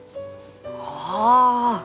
ああ！